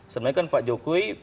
sebenarnya kan pak jokowi